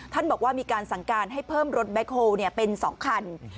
บอกว่ามีการสั่งการให้เพิ่มรถแบ็คโฮลเป็น๒คัน